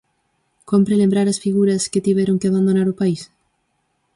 Cómpre lembrar as figuras que tiveron que abandonar o país?